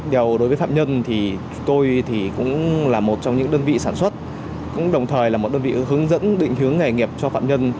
điều đối với phạm nhân thì tôi thì cũng là một trong những đơn vị sản xuất cũng đồng thời là một đơn vị hướng dẫn định hướng nghề nghiệp cho phạm nhân